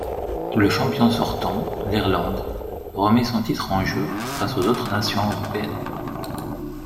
Le champion sortant, l'Irlande, remet son titre en jeu face aux autres nations européennes.